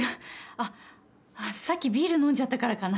あっさっきビール飲んじゃったからかな。